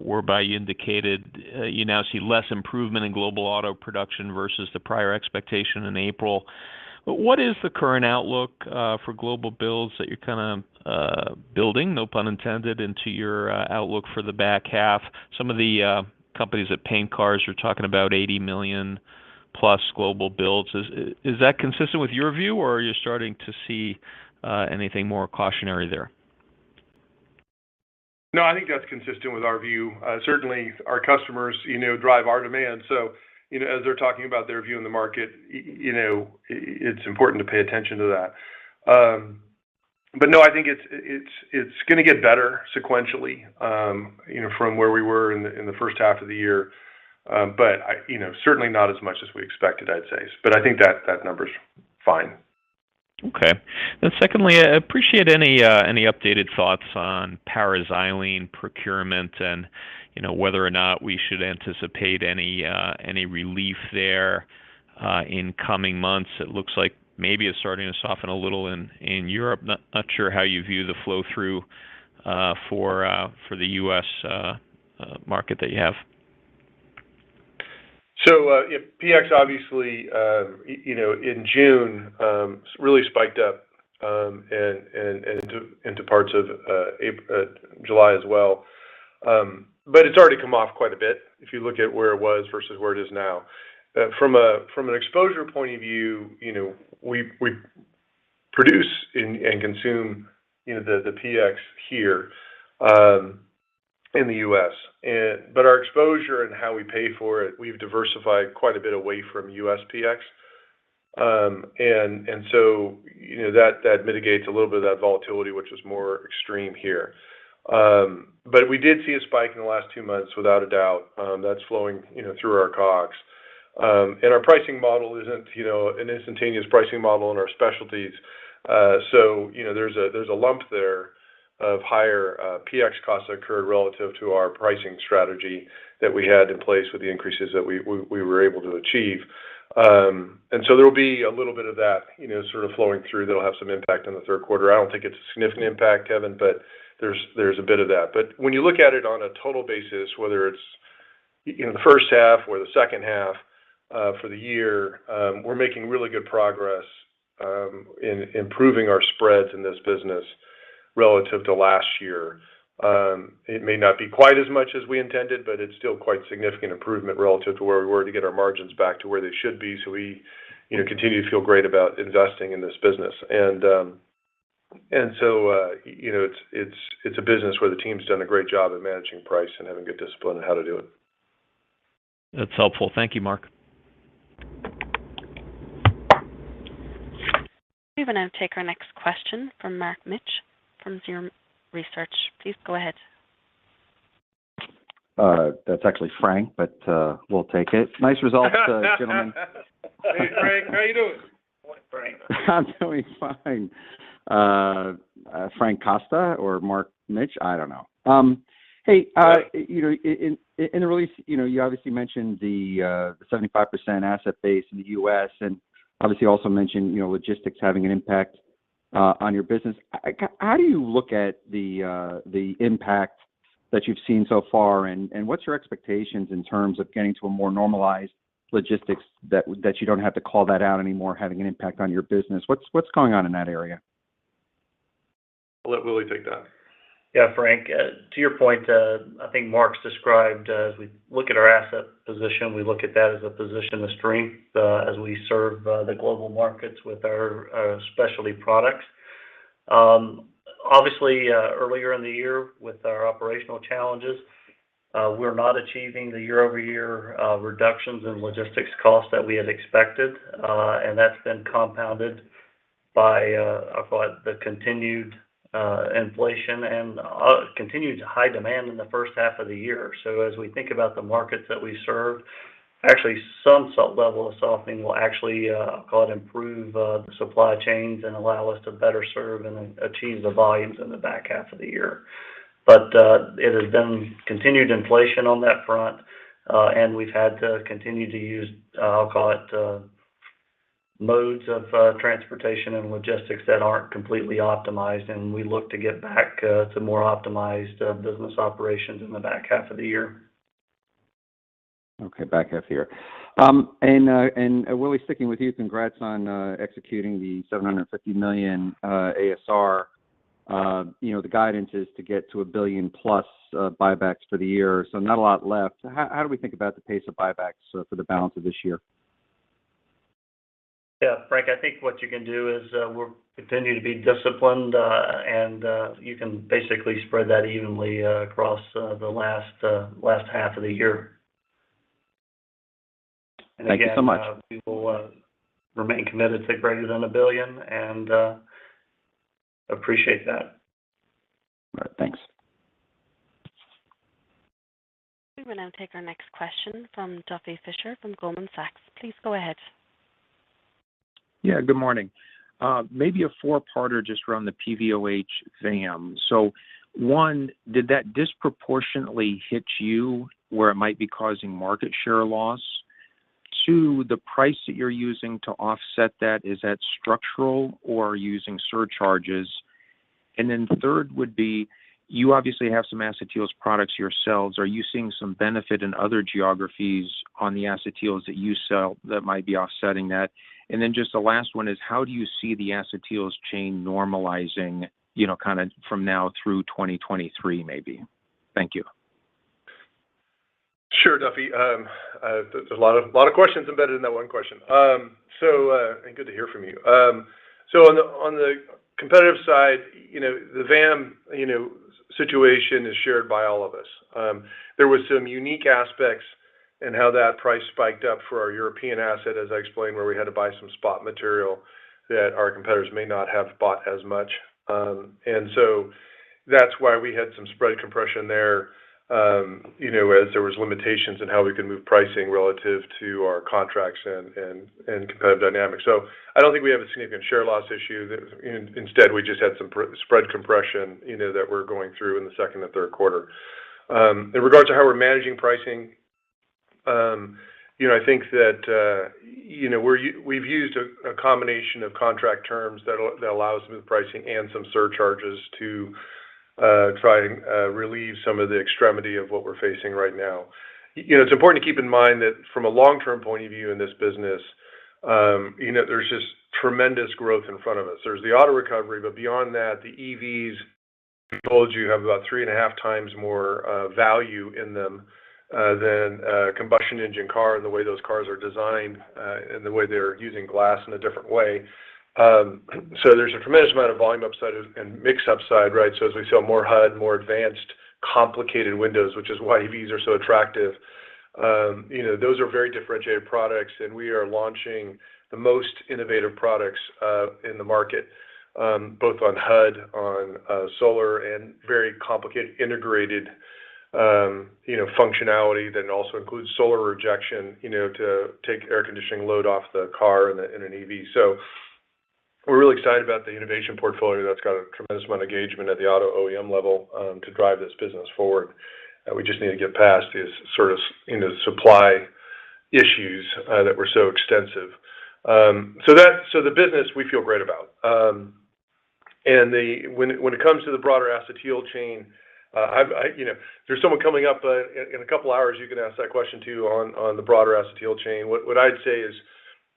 whereby you indicated you now see less improvement in global auto production versus the prior expectation in April. What is the current outlook for global builds that you're kinda building, no pun intended, into your outlook for the back half? Some of the companies that paint cars, you're talking about 80 million+ global builds. Is that consistent with your view, or are you starting to see anything more cautionary there? No, I think that's consistent with our view. Certainly our customers, you know, drive our demand. You know, as they're talking about their view in the market, you know, it's important to pay attention to that. No, I think it's gonna get better sequentially, you know, from where we were in the first half of the year. You know, certainly not as much as we expected, I'd say. I think that number's fine. Okay. Secondly, I appreciate any updated thoughts on paraxylene procurement and, you know, whether or not we should anticipate any relief there in coming months. It looks like maybe it's starting to soften a little in Europe. Not sure how you view the flow-through for the U.S. market that you have. Yeah, PX obviously you know in June really spiked up and into parts of July as well. It's already come off quite a bit if you look at where it was versus where it is now. From an exposure point of view, you know, we produce and consume you know the PX here in the U.S. Our exposure and how we pay for it, we've diversified quite a bit away from U.S. PX. You know that mitigates a little bit of that volatility, which is more extreme here. We did see a spike in the last two months, without a doubt, that's flowing you know through our COGS. Our pricing model isn't, you know, an instantaneous pricing model in our specialties. You know, there's a lump there of higher PX costs that occurred relative to our pricing strategy that we had in place with the increases that we were able to achieve. There will be a little bit of that, you know, sort of flowing through that'll have some impact on the Q3. I don't think it's a significant impact, Kevin, but there's a bit of that. When you look at it on a total basis, whether it's, you know, the first half or the second half, for the year, we're making really good progress in improving our spreads in this business relative to last year. It may not be quite as much as we intended, but it's still quite significant improvement relative to where we were to get our margins back to where they should be. We, you know, continue to feel great about investing in this business. You know, it's a business where the team's done a great job at managing price and having good discipline on how to do it. That's helpful. Thank you, Mark. We will now take our next question from Frank Mitsch from Fermium Research, LLC. Please go ahead. That's actually Frank, but we'll take it. Nice results, gentlemen. Hey, Frank, how are you doing? Boy Frank. I'm doing fine. Mark Costa or Frank Mitsch, I don't know. Hey, Yeah. You know, in the release, you know, you obviously mentioned the 75% asset base in the U.S., and obviously you also mentioned, you know, logistics having an impact on your business. How do you look at the impact that you've seen so far, and what's your expectations in terms of getting to a more normalized logistics that you don't have to call that out anymore having an impact on your business? What's going on in that area? I'll let Willy take that. Yeah, Frank, to your point, I think Mark's described, as we look at our asset position, we look at that as a position of strength, as we serve the global markets with our specialty products. Obviously, earlier in the year with our operational challenges, we're not achieving the year-over-year reductions in logistics costs that we had expected. That's been compounded by, I'll call it, the continued inflation and continued high demand in the first half of the year. As we think about the markets that we serve, actually some sub-level of softening will actually, I'll call it, improve the supply chains and allow us to better serve and achieve the volumes in the back half of the year. It has been continued inflation on that front, and we've had to continue to use, I'll call it, modes of transportation and logistics that aren't completely optimized, and we look to get back to more optimized business operations in the back half of the year. Okay. Back half of the year. Willy, sticking with you, congrats on executing the $750 million ASR. You know, the guidance is to get to $1 billion plus buybacks for the year, so not a lot left. How do we think about the pace of buybacks for the balance of this year? Yeah, Frank, I think what you can do is, we're continuing to be disciplined, and you can basically spread that evenly across the last half of the year. Thank you so much. Again, we will remain committed to greater than $1 billion and appreciate that. All right. Thanks. We will now take our next question from Duffy Fischer from Goldman Sachs. Please go ahead. Good morning. Maybe a four-parter just around the PVOH VAM. One, did that disproportionately hit you where it might be causing market share loss? Two, the price that you're using to offset that, is that structural or using surcharges? And then third would be, you obviously have some acetyls products yourselves, are you seeing some benefit in other geographies on the acetyls that you sell that might be offsetting that? And then just the last one is, how do you see the acetyls chain normalizing, you know, kinda from now through 2023 maybe? Thank you. Sure, Duffy. There's a lot of questions embedded in that one question. Good to hear from you. On the competitive side, you know, the VAM, you know, situation is shared by all of us. There was some unique aspects in how that price spiked up for our European asset, as I explained, where we had to buy some spot material that our competitors may not have bought as much. That's why we had some spread compression there, you know, as there was limitations in how we could move pricing relative to our contracts and competitive dynamics. I don't think we have a significant share loss issue. Instead we just had some spread compression, you know, that we're going through in the Q2 and Q3. In regards to how we're managing pricing, you know, I think that, you know, we've used a combination of contract terms that allow smooth pricing and some surcharges to try and relieve some of the extremity of what we're facing right now. You know, it's important to keep in mind that from a long-term point of view in this business, you know, there's just tremendous growth in front of us. There's the auto recovery, but beyond that, the EVs, we told you, have about 3.5 times more value in them than a combustion engine car and the way those cars are designed and the way they're using glass in a different way. So there's a tremendous amount of volume upside and mix upside, right? As we sell more HUD, more advanced complicated windows, which is why EVs are so attractive, you know, those are very differentiated products and we are launching the most innovative products in the market, both on HUD, on solar and very complicated integrated, you know, functionality that also includes solar rejection, you know, to take air conditioning load off the car in an EV. We're really excited about the innovation portfolio that's got a tremendous amount of engagement at the auto OEM level to drive this business forward. We just need to get past these sort of, you know, supply issues that were so extensive. The business we feel great about. When it comes to the broader acetyl chain, I've I. You know, there's someone coming up in a couple of hours you can ask that question to on the broader acetyl chain. What I'd say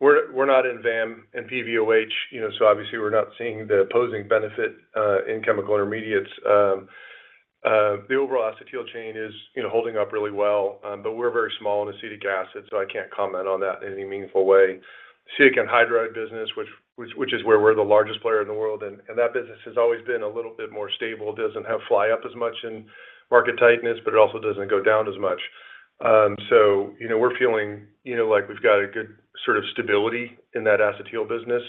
is we're not in VAM and PVOH, you know, so obviously we're not seeing the opposing benefit in chemical intermediates. The overall acetyl chain is, you know, holding up really well. We're very small in acetic acid, so I can't comment on that in any meaningful way. Acetic anhydride business, which is where we're the largest player in the world and that business has always been a little bit more stable. It doesn't fly up as much in market tightness, but it also doesn't go down as much. You know, we're feeling, you know, like we've got a good sort of stability in that acetyl business,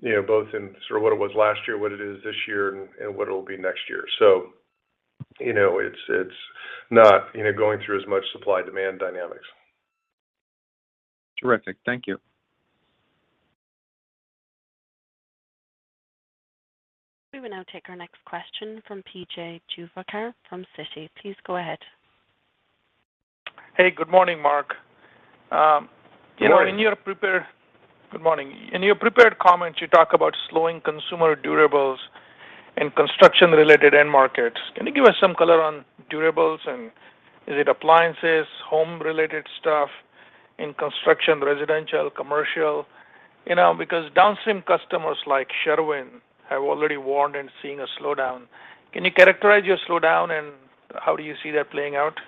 you know, both in sort of what it was last year, what it is this year and what it'll be next year. You know, it's not, you know, going through as much supply demand dynamics. Terrific. Thank you. We will now take our next question from P.J. Juvekar from Citi. Please go ahead. Hey, good morning, Mark. You know Good morning. Good morning. In your prepared comments you talk about slowing consumer durables and construction related end markets. Can you give us some color on durables and is it appliances, home related stuff? In construction, residential, commercial? You know, because downstream customers like Sherwin-Williams have already warned of seeing a slowdown. Can you characterize your slowdown and how do you see that playing out?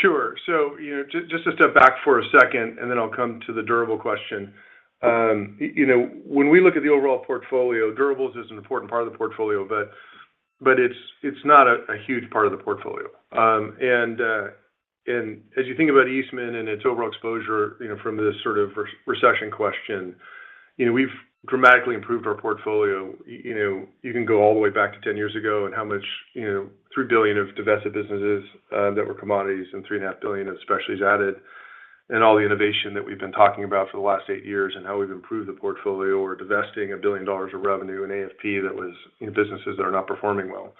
Sure. You know, just to step back for a second, and then I'll come to the durable question. You know, when we look at the overall portfolio, durables is an important part of the portfolio, but it's not a huge part of the portfolio. And as you think about Eastman and its overall exposure, you know, from this sort of recession question, you know, we've dramatically improved our portfolio. You know, you can go all the way back to 10 years ago and how much, you know, $3 billion of divested businesses that were commodities and $3.5 billion of specialties added, and all the innovation that we've been talking about for the last eight years and how we've improved the portfolio. We're divesting $1 billion of revenue in AFP that was, you know, businesses that are not performing well.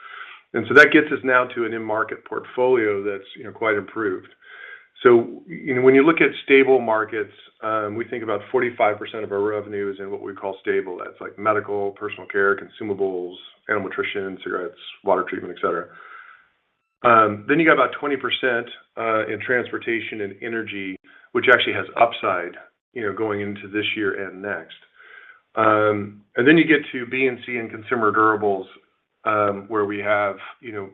That gets us now to a new market portfolio that's, you know, quite improved. You know, when you look at stable markets, we think about 45% of our revenue is in what we call stable. That's like medical, personal care, consumables, animal nutrition, cigarettes, water treatment, et cetera. Then you got about 20% in transportation and energy, which actually has upside, you know, going into this year and next. You get to B&C and consumer durables, where we have, you know,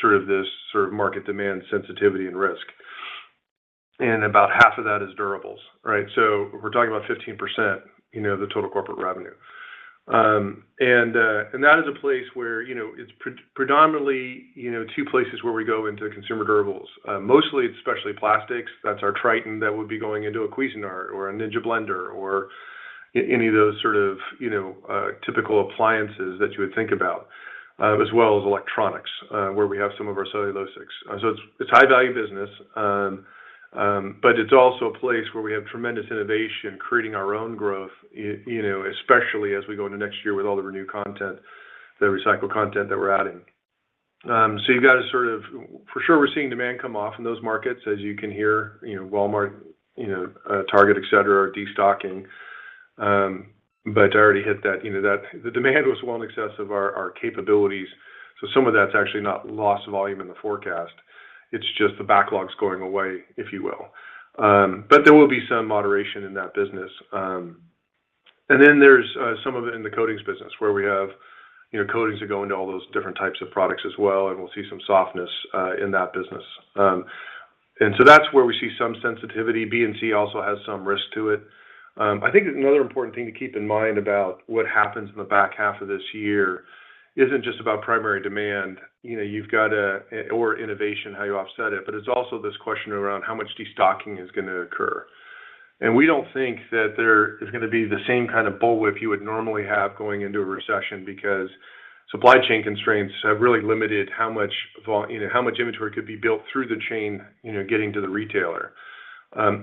sort of this sort of market demand sensitivity and risk. About half of that is durables, right? We're talking about 15% of the total corporate revenue. That is a place where, you know, it's predominantly, you know, two places where we go into consumer durables. Mostly it's specialty plastics. That's our Tritan that would be going into a Cuisinart or a Ninja blender or any of those sort of, you know, typical appliances that you would think about, as well as electronics, where we have some of our cellulosics. So it's high value business, but it's also a place where we have tremendous innovation creating our own growth, you know, especially as we go into next year with all the renewable content, the recycled content that we're adding. You've got to sort of. For sure we're seeing demand come off in those markets, as you can hear, you know, Walmart, you know, Target, et cetera, are destocking. I already hit that, you know, that the demand was well in excess of our capabilities, so some of that's actually not lost volume in the forecast. It's just the backlogs going away, if you will. There will be some moderation in that business. Then there's some of it in the coatings business where we have, you know, coatings that go into all those different types of products as well, and we'll see some softness in that business. That's where we see some sensitivity. B&C also has some risk to it. I think another important thing to keep in mind about what happens in the back half of this year isn't just about primary demand. You know, you've got innovation, how you offset it, but it's also this question around how much destocking is gonna occur. We don't think that there is gonna be the same kind of bullwhip you would normally have going into a recession because supply chain constraints have really limited how much you know, how much inventory could be built through the chain, you know, getting to the retailer.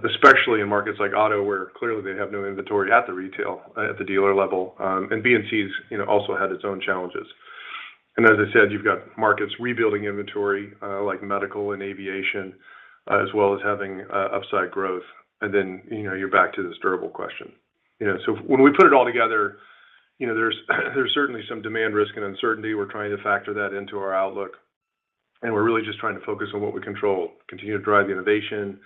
Especially in markets like auto, where clearly they have no inventory at the retail, at the dealer level. B&C's, you know, also had its own challenges. As I said, you've got markets rebuilding inventory, like medical and aviation, as well as having upside growth. You know, you're back to this durable question. You know, when we put it all together, you know, there's certainly some demand risk and uncertainty. We're trying to factor that into our outlook, and we're really just trying to focus on what we control, continue to drive the innovation,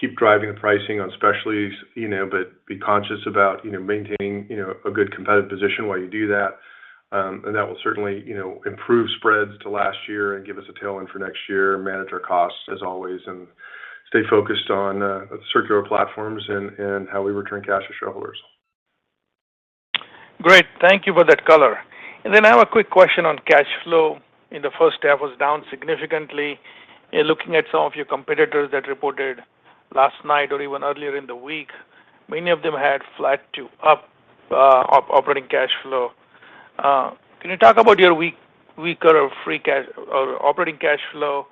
keep driving the pricing on specialties, you know, but be conscious about, you know, maintaining, you know, a good competitive position while you do that. And that will certainly, you know, improve spreads to last year and give us a tailwind for next year, manage our costs as always, and stay focused on circular platforms and how we return cash to shareholders. Great. Thank you for that color. I have a quick question on cash flow in the first half was down significantly. In looking at some of your competitors that reported last night or even earlier in the week, many of them had flat to up operating cash flow. Can you talk about your weaker free cash or operating cash flow?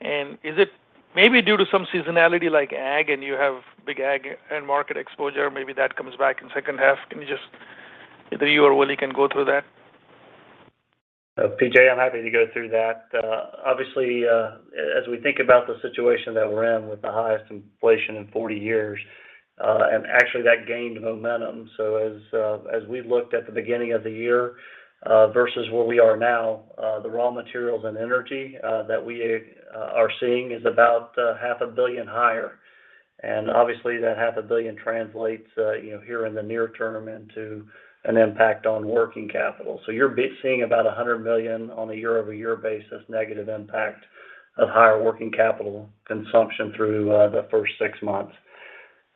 Is it maybe due to some seasonality like ag, and you have big ag end market exposure, maybe that comes back in second half? Can you just either you or Willy can go through that. P.J., I'm happy to go through that. Obviously, as we think about the situation that we're in with the highest inflation in 40 years, and actually that gained momentum. As we looked at the beginning of the year, versus where we are now, the raw materials and energy that we are seeing is about $ 500 million higher. Obviously, that $ 500 million translates, you know, here in the near term and to an impact on working capital. You're seeing about $100 million on a year-over-year basis negative impact of higher working capital consumption through the first six months.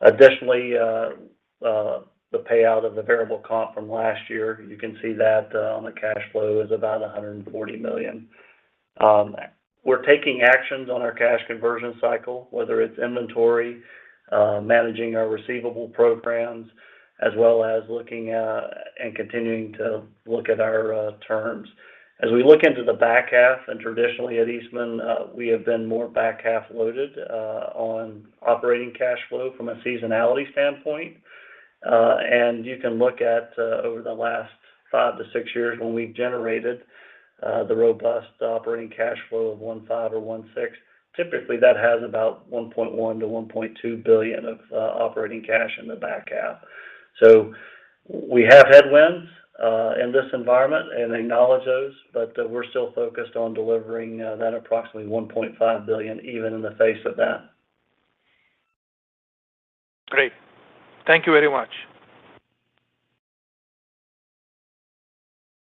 Additionally, the payout of the variable compensation from last year, you can see that on the cash flow is about $140 million. We're taking actions on our cash conversion cycle, whether it's inventory, managing our receivable programs, as well as looking at and continuing to look at our terms. As we look into the back half, and traditionally at Eastman, we have been more back half loaded, on operating cash flow from a seasonality standpoint. You can look at over the last five to six years when we've generated the robust operating cash flow of $1.5 or $1.6. Typically, that has about $1.1-$1.2 billion of operating cash in the back half. We have headwinds in this environment and acknowledge those, but we're still focused on delivering that approximately $1.5 billion even in the face of that. Great. Thank you very much.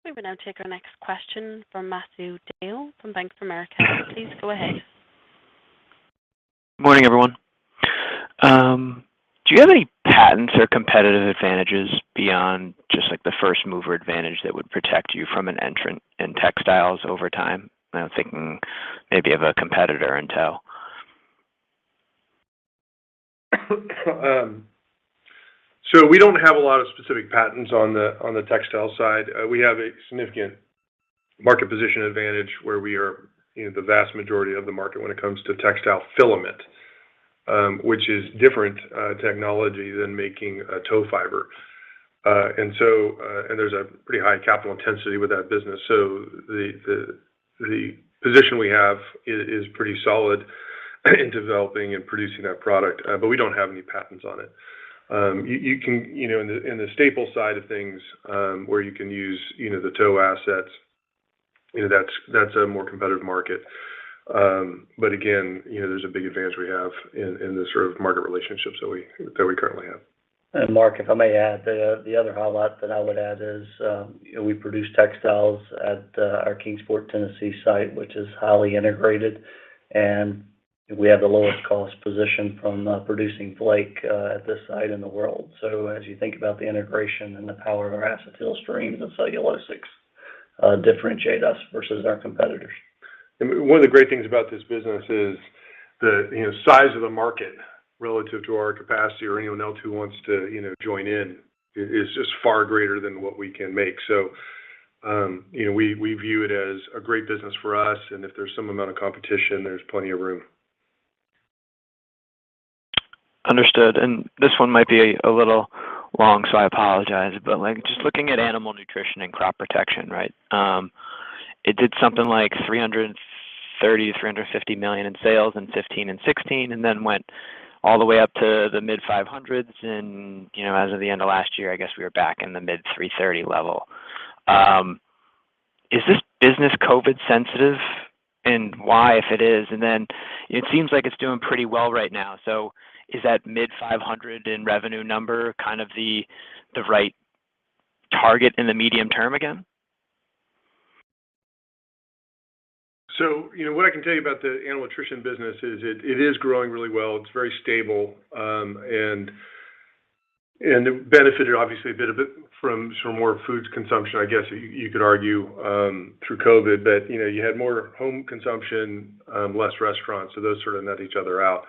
We will now take our next question from Matthew DeYoe from Bank of America. Please go ahead. Good morning, everyone. Do you have any patents or competitive advantages beyond the fast mover advantage that would protect you from an entrant in textiles over time. I am thinking maybe of a competitor Intel. We don't have a lot of specific patents on the textile side. We have a significant market position advantage where we are, you know, the vast majority of the market when it comes to textile filament, which is different technology than making a tow fiber. There's a pretty high capital intensity with that business. The position we have is pretty solid in developing and producing that product, but we don't have any patents on it. You can, you know, in the staple side of things, where you can use, you know, the tow assets, you know, that's a more competitive market. Again, you know, there's a big advantage we have in the sort of market relationships that we currently have. Mark, if I may add, the other highlight that I would add is, you know, we produce textiles at our Kingsport, Tennessee site, which is highly integrated, and we have the lowest cost position from producing flake at this site in the world. As you think about the integration and the power of our acetyl stream and cellulosic. Differentiate us versus our competitors. One of the great things about this business is the, you know, size of the market relative to our capacity or anyone else who wants to, you know, join in is just far greater than what we can make. You know, we view it as a great business for us, and if there's some amount of competition, there's plenty of room. Understood. This one might be a little long, so I apologize. Like, just looking at animal nutrition and crop protection, right? It did something like $330 million - $350 million in sales in 2015 and 2016 and then went all the way up to the mid $500 million. You know, as of the end of last year, I guess we were back in the mid $330 million level. Is this business COVID sensitive? Why, if it is? Then it seems like it's doing pretty well right now. Is that mid $500 million in revenue number kind of the right target in the medium term again? You know, what I can tell you about the animal nutrition business is it is growing really well. It's very stable. It benefited obviously a bit of it from sort of more food consumption. I guess you could argue, through COVID, that, you know, you had more home consumption, less restaurants, so those sort of net each other out.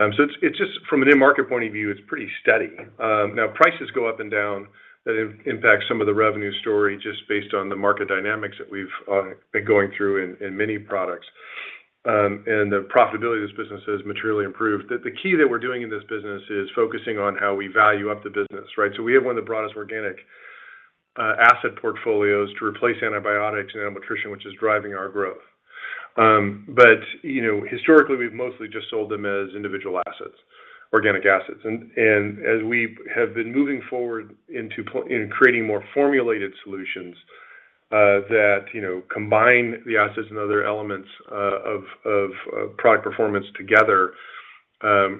It's just from a new market point of view, it's pretty steady. Now prices go up and down that impact some of the revenue story just based on the market dynamics that we've been going through in many products. The profitability of this business has materially improved. The key that we're doing in this business is focusing on how we value up the business, right? We have one of the broadest organic asset portfolios to replace antibiotics and animal nutrition, which is driving our growth. You know, historically, we've mostly just sold them as individual assets, organic assets. As we have been moving forward into in creating more formulated solutions, that, you know, combine the assets and other elements of product performance together,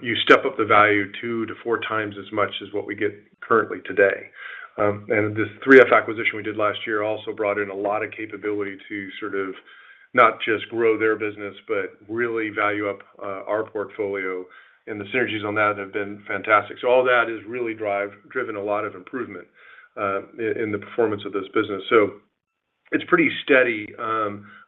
you step up the value two to four times as much as what we get currently today. The 3F acquisition we did last year also brought in a lot of capability to sort of not just grow their business, but really value up our portfolio, and the synergies on that have been fantastic. All that has really driven a lot of improvement in the performance of this business. It's pretty steady.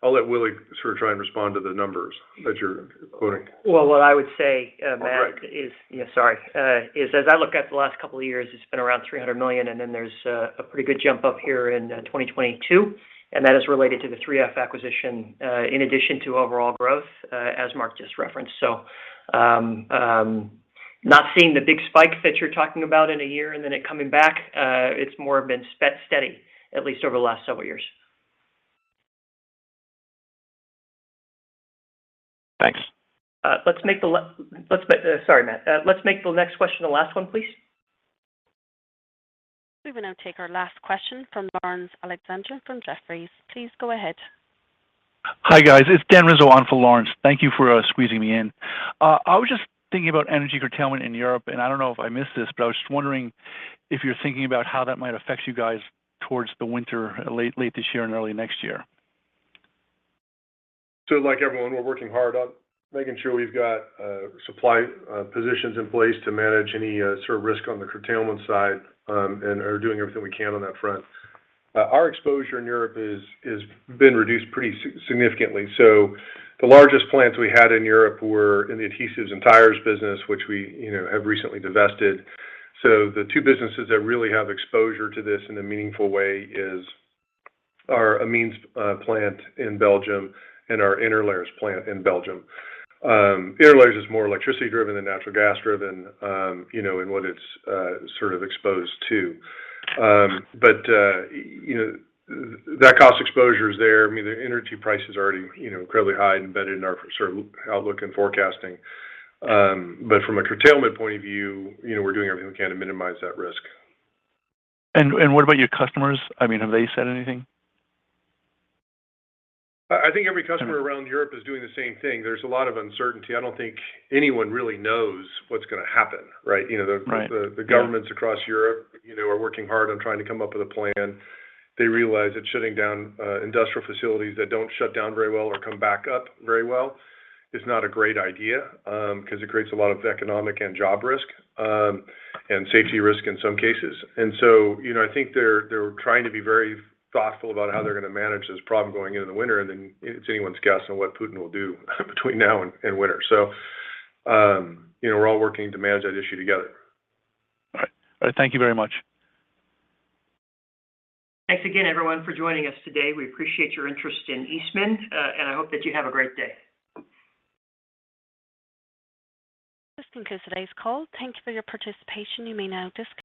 I'll let Willie sort of try and respond to the numbers that you're quoting. Well, what I would say, Mark- Oh, go ahead. Yeah, sorry. As I look at the last couple of years, it's been around $300 million, and then there's a pretty good jump up here in 2022, and that is related to the 3F acquisition in addition to overall growth as Mark just referenced. Not seeing the big spike that you're talking about in a year and then it coming back, it's more been steady, at least over the last several years. Thanks. Sorry, Matt. Let's make the next question the last one, please. We will now take our last question from Laurence Alexander from Jefferies. Please go ahead. Hi, guys. It's Dan Rizzo on for Laurence. Thank you for squeezing me in. I was just thinking about energy curtailment in Europe, and I don't know if I missed this, but I was just wondering if you're thinking about how that might affect you guys towards the winter late this year and early next year. Like everyone, we're working hard on making sure we've got supply positions in place to manage any sort of risk on the curtailment side and are doing everything we can on that front. Our exposure in Europe has been reduced pretty significantly. The largest plants we had in Europe were in the adhesives and tires business, which we, you know, have recently divested. The two businesses that really have exposure to this in a meaningful way is our amines plant in Belgium and our interlayers plant in Belgium. Interlayers is more electricity driven than natural gas driven, you know, in what it's sort of exposed to. But you know, that cost exposure is there. I mean, the energy price is already, you know, incredibly high and embedded in our sort of outlook and forecasting. From a curtailment point of view, you know, we're doing everything we can to minimize that risk. What about your customers? I mean, have they said anything? I think every customer around Europe is doing the same thing. There's a lot of uncertainty. I don't think anyone really knows what's gonna happen, right? You know. Right. Yeah. The governments across Europe, you know, are working hard on trying to come up with a plan. They realize that shutting down industrial facilities that don't shut down very well or come back up very well is not a great idea, 'cause it creates a lot of economic and job risk and safety risk in some cases. You know, I think they're trying to be very thoughtful about how they're gonna manage this problem going into the winter. It's anyone's guess on what Putin will do between now and winter. You know, we're all working to manage that issue together. All right. All right, thank you very much. Thanks again, everyone, for joining us today. We appreciate your interest in Eastman, and I hope that you have a great day. This concludes today's call. Thank you for your participation. You may now disconnect.